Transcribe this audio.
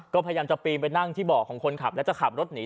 ก็พยายามจะปีนไปนั่งที่เบาะของคนขับแล้วจะขับรถหนี